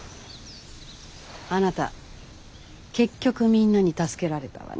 あなた結局みんなに助けられたわね。